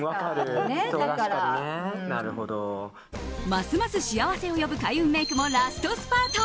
ますます幸せを呼ぶ開運メイクもラストスパート。